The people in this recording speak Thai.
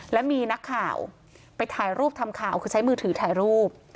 และมีนักข่าวไปถ่ายรูปทำข่าวคือใช้มือถือถ่ายรูป